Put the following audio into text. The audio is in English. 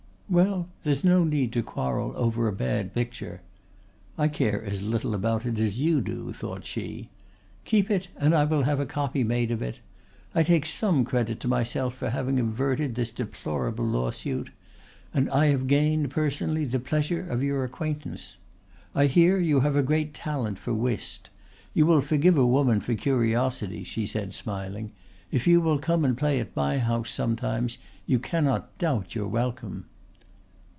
"Well, there's no need to quarrel over a bad picture." ("I care as little about it as you do," thought she.) "Keep it, and I will have a copy made of it. I take some credit to myself for having averted this deplorable lawsuit; and I have gained, personally, the pleasure of your acquaintance. I hear you have a great talent for whist. You will forgive a woman for curiosity," she said, smiling. "If you will come and play at my house sometimes you cannot doubt your welcome."